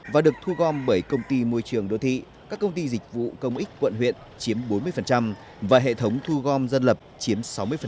và được thu gom bởi công ty môi trường đô thị các công ty dịch vụ công ích quận huyện chiếm bốn mươi và hệ thống thu gom dân lập chiếm sáu mươi